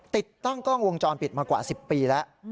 ติดตั้งกล้องวงจรปิดมากว่า๑๐ปีแล้ว